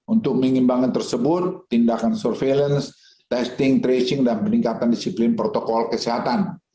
untuk mengimbangkan tersebut tindakan surveillance testing tracing dan peningkatan disiplin protokol kesehatan